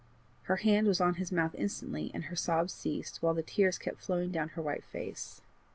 Her hand was on his mouth instantly, and her sobs ceased, while the tears kept flowing down her white face.